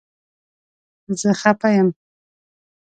زه خپه یم